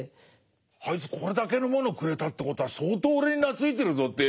あいつこれだけのものをくれたということは相当俺に懐いてるぞって思うわけでしょ。